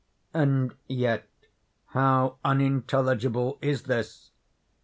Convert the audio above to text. And yet how unintelligible is this!